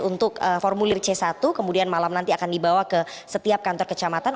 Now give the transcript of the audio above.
untuk formulir c satu kemudian malam nanti akan dibawa ke setiap kantor kecamatan